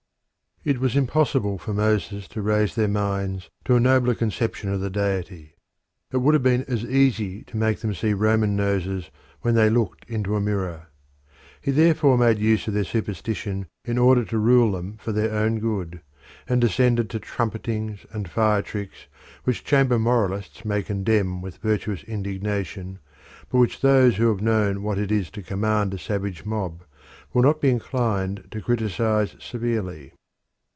It was impossible for Moses to raise their minds to a nobler conception of the Deity; it would have been as easy to make them see Roman noses when they looked into a mirror. He therefore made use of their superstition in order to rule them for their own good, and descended to trumpetings and fire tricks which chamber moralists may condemn with virtuous indignation, but which those who have known what it is to command a savage mob will not be inclined to criticise severely.